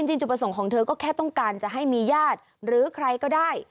จุดประสงค์ของเธอก็แค่ต้องการจะให้มีญาติหรือใครก็ได้